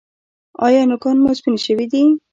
ایا نوکان مو سپین شوي دي؟